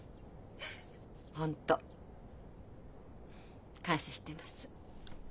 本当感謝してます。